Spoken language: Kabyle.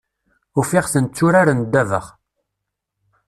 Ufiɣ-ten tturaren ddabax.